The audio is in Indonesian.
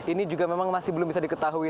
ini juga memang masih belum bisa diketahui